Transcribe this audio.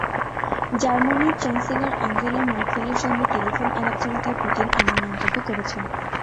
জার্মানির chancellor Angela ম্যার্কেলের সঙ্গে টেলিফোন আলাপচারিতায় পুতিন এমন মন্তব্য করেছেন।